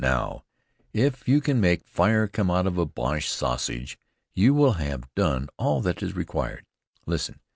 Now, if you can make fire come out of a Boche sausage, you will have done all that is required. Listen.